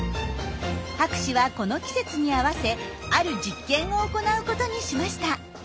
博士はこの季節に合わせある実験を行うことにしました。